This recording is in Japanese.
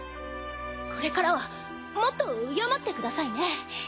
これからはもっと敬ってくださいね。